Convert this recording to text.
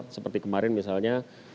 seperti kemarin misalnya